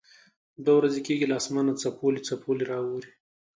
دوه ورځې کېږي له اسمانه څپولی څپولی را اوري.